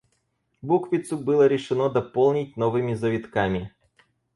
Буквицу было решено дополнить новыми завитками.